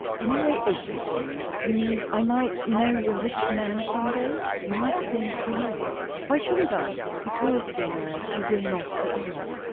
"Any way open to me? You mean, I might marry a rich man some day?" "You might think you might." "Why shouldn't I?" "Because, dear Madge, you will not be asked.